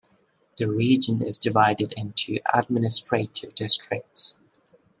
The region is divided into administrative districts.